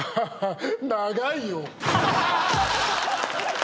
長いよ。